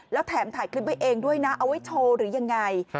แล้วแถมถ่ายคลิปไว้เองด้วยนะเอาไว้โชว์หรือยังไง